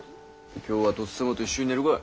今日はとっさまと一緒に寝るかい。